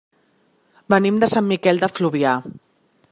Venim de Sant Miquel de Fluvià.